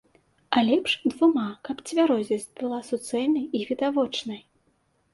А лепш двума, каб цвярозасць была суцэльнай і відавочнай.